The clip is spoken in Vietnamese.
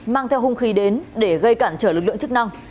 mang theo hung khí đến để gây cản trở lực lượng chức năng